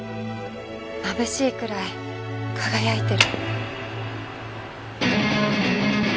まぶしいくらい輝いてる